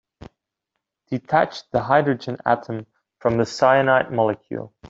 Detach the hydrogen atom from the cyanide molecule.